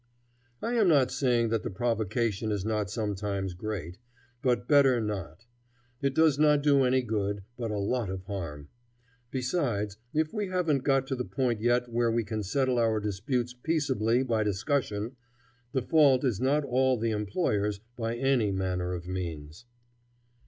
I am not saying that the provocation is not sometimes great; but better not. It does not do any good, but a lot of harm. Besides, if we haven't got to the point yet where we can settle our disputes peaceably by discussion, the fault is not all the employers by any manner of means.